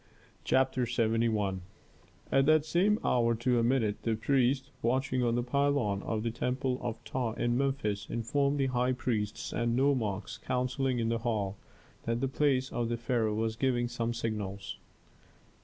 CHAPTER LXVI At that same hour to a minute, the priest, watching on the pylon of the temple of Ptah in Memphis, informed the high priests and nomarchs counselling in the hall, that the palace of the pharaoh was giving some signals.